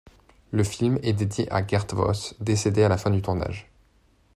Le film est dédié à Gert Voss, décédé à la fin du tournage.